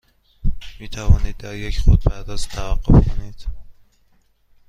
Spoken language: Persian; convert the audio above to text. می توانید در یک خودپرداز توقف کنید؟